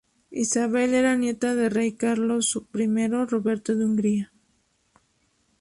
Isabel era nieta del rey Carlos I Roberto de Hungría.